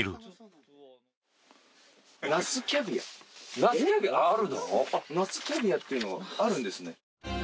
那須キャビアっていうのあるんですね。